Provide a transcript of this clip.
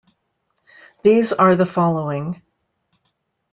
These are the following.